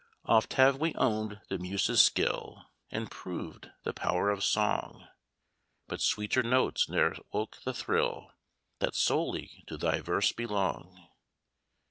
"Oft have we own'd the muses' skill, And proved the power of song, But sweeter notes ne'er woke the thrill That solely to thy verse belong.